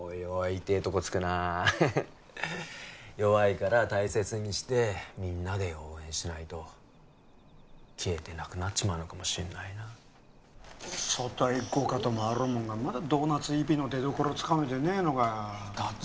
おい痛えとこ突くな弱いから大切にしてみんなで応援しないと消えてなくなっちまうのかもしんないな組対五課ともあろうもんがまだドーナツＥＰの出どころつかめてねえのかよ